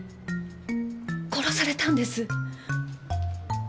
殺されたんです